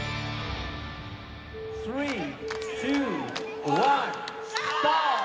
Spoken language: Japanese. ３・２・１スタート！